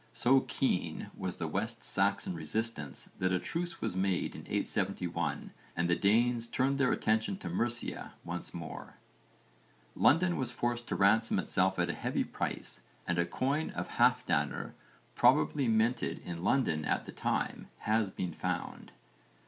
So keen was the West Saxon resistance that a truce was made in 871 and the Danes turned their attention to Mercia once more. London was forced to ransom itself at a heavy price and a coin of Halfdanr, probably minted in London at the time, has been found.